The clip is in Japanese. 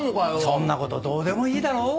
そんなことどうでもいいだろ？